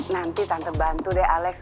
nanti tante bantu deh alex